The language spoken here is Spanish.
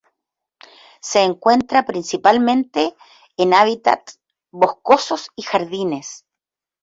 Se encuentra principalmente en hábitats boscosos y jardines.